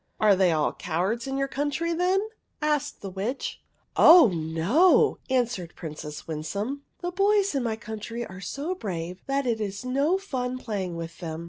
" Are they all cowards in your country, then ?" asked the Witch. " Oh no," answered Princess Winsome ;" the boys in my country are so brave that it is no fun playing with them.